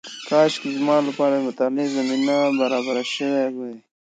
کاشکې زما لپاره د مطالعې زمینه برابره شوې وای.